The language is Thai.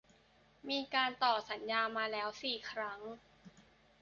มีการต่อสัญญามาแล้ว สี่ ครั้ง